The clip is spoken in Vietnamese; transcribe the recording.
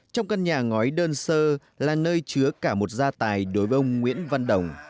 trong căn nhà ngói đơn sơ là nơi chứa cả một gia tài đối với ông nguyễn văn đồng